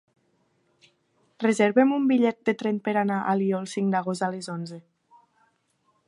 Reserva'm un bitllet de tren per anar a Alió el cinc d'agost a les onze.